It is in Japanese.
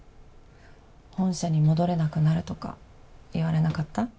本社に戻れなくなるとか言われなかった？